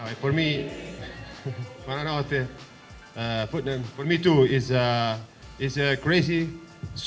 ini sangat gila untuk negara saya